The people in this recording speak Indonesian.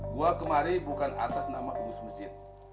gue kemari bukan atas nama khusus masjid